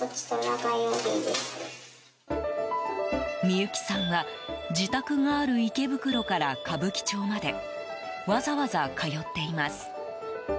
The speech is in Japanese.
ミユキさんは自宅がある池袋から歌舞伎町までわざわざ通っています。